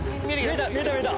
見えた見えた！